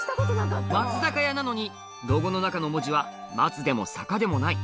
松坂屋なのにロゴの中の文字は「松」でも「坂」でもない